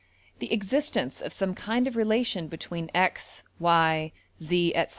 the existence of some kind of relation between $x$,~$y$, $z$,~etc.